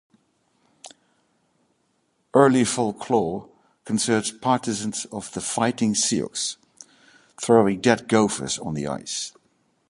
Early folklore concerns partisans of the Fighting Sioux throwing dead Gophers onto the ice.